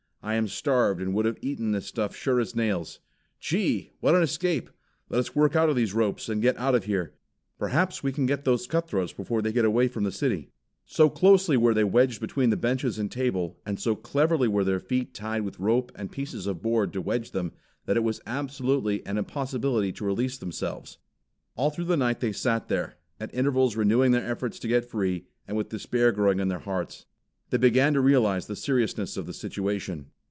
"I am starved and would have eaten this stuff sure as nails. Gee, what an escape! Let us work out of these ropes and get out of here. Perhaps, we can get those cutthroats before they got away from the city." For some moments the boys both wiggled and twisted to free themselves. It was in vain. So closely were they wedged between the benches and table, and so cleverly were their feet tied with rope and pieces of board to wedge them, that it was absolutely an impossibility to release themselves. All through the night they sat there, at intervals renewing their efforts to get free, and with despair growing in their hearts. They began to realize the seriousness of the situation.